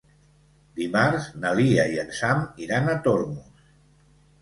Dimarts na Lia i en Sam iran a Tormos.